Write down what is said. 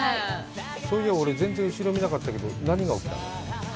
そう言や、俺、全然、後ろを見なかったけど、何が起きたの？